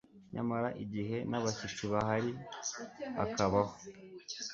Nyamara igihe nta bashyitsi bahari hakabaho